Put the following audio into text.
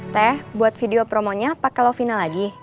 teh buat video promonya pake lovina lagi